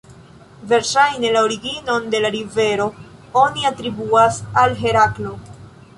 Verŝajne, la originon de la rivero oni atribuas al Heraklo.